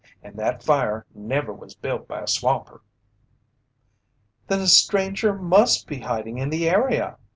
An' that fire never was built by a swamper." "Then a stranger must be hiding in the area!"